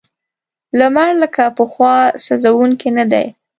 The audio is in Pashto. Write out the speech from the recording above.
لمر لکه پخوا سوځونکی نه دی.